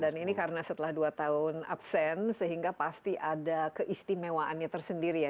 dan ini karena setelah dua tahun absen sehingga pasti ada keistimewaannya tersendiri ya